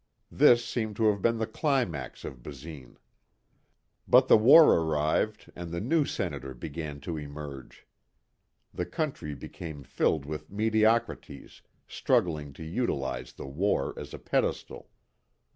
This seemed to have been the climax of Basine. But the war arrived and the new Senator began to emerge. The country became filled with mediocrities struggling to utilize the war as a pedestal.